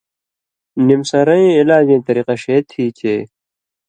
نِم سرَیں علاجَیں طریقہ شے تھی چے